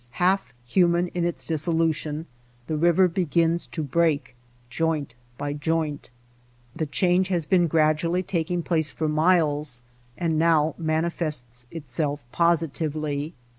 Half human in its dissolution, the river begins to break joint by joint. The change has been gradually taking place for miles and now mani fests itself positively.